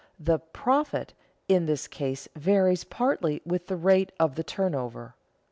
The "profit" in this case varies partly with the rate of the turnover.